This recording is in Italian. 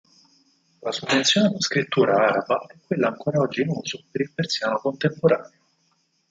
La summenzionata scrittura araba è quella ancora oggi in uso per il persiano contemporaneo.